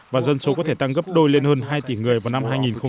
và dân số có thể tăng gấp đôi lên hơn hai tỷ người vào năm hai nghìn hai mươi